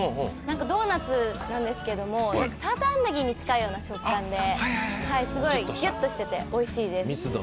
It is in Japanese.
ドーナツなんですけども、サーターアンダギーに近いような食感ですごいギュッとしてておいしいです。